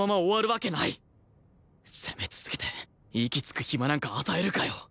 攻め続けて息つく暇なんか与えるかよ